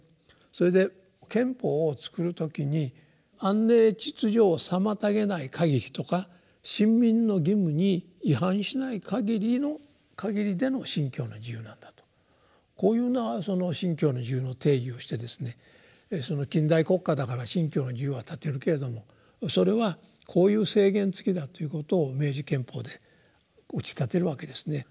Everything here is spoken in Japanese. それで憲法を作る時に「安寧秩序を妨げない限り」とか「臣民の義務に違反しない限りでの信教の自由」なんだとこういうような信教の自由の定義をしてですね近代国家だから信教の自由は立てるけれどもそれはこういう制限付きだということを明治憲法で打ち立てるわけですね。